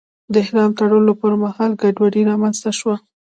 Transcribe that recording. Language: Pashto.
د احرام تړلو پر مهال ګډوډي رامنځته شوه.